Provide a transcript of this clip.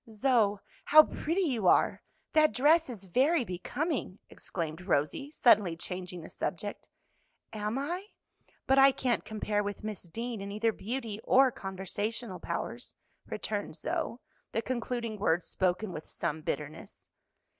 "Zoe, how pretty you are! that dress is very becoming!" exclaimed Rosie, suddenly changing the subject. "Am I? But I can't compare with Miss Deane in either beauty or conversational powers," returned Zoe, the concluding words spoken with some bitterness.